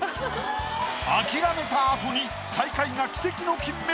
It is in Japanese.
諦めた後に最下位が奇跡の金メダル。